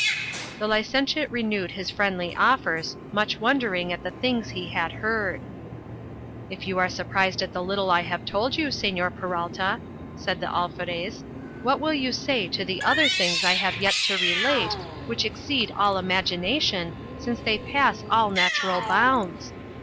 The licentiate renewed his friendly offers, much wondering at the things he had heard. If you are surprised at the little I have told you, Señor Peralta, said the Alferez, what will you say to the other things I have yet to relate, which exceed all imagination, since they pass all natural bounds?